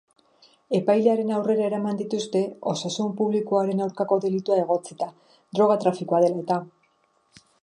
Epailearen aurrera eraman dituzte osasun publikoaren aurkako delitua egotzita, droga-trafikoa dela eta.